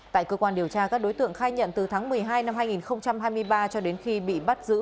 tại cơ quan điều tra các đối tượng khai nhận từ tháng một mươi hai năm hai nghìn hai mươi ba cho đến khi bị bắt giữ